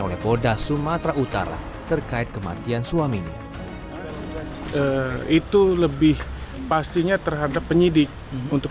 oleh polda sumatera utara terkait kematian suaminya itu lebih pastinya terhadap penyidik untuk